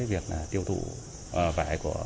việc tiêu thụ vải của